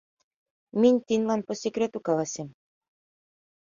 Минь тиньлан по секрету каласем.